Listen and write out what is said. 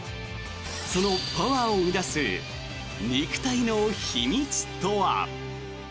そのパワーを生み出す肉体の秘密とは。